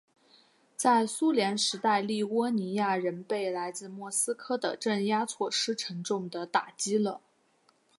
在苏联时代立窝尼亚人被来自莫斯科的镇压措施沉重地打击了。